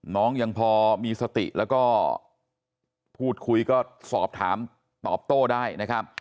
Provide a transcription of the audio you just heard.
ยังพอมีสติแล้วก็พูดคุยก็สอบถามตอบโต้ได้นะครับ